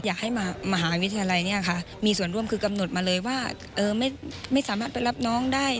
อยากให้มหาวิทยาลัยเนี่ยค่ะมีส่วนร่วมคือกำหนดมาเลยว่าไม่สามารถไปรับน้องได้